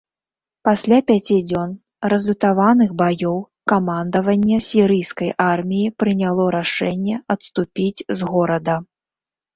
Пасля пяці дзён разлютаваных баёў, камандаванне сірыйскай арміі прыняло рашэнне адступіць з горада.